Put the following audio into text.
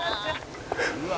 「うわ」